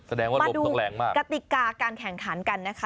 มาดูกติกาการแข่งขันกันนะคะ